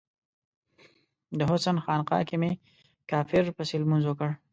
د حسن خانقا کې می کافر پسې لمونځ وکړ